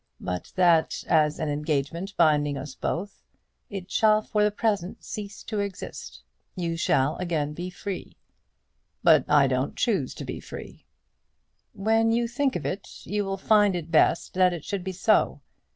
But that as an engagement binding us both, it shall for the present cease to exist. You shall be again free " "But I don't choose to be free." "When you think of it you will find it best that it should be so.